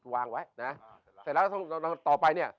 วางไว้นะเสร็จแล้วต่อไปเนี่ย